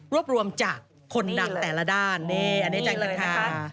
รวบรวมจากคนดังแต่ละด้านนี่อันนี้จังเลยค่ะ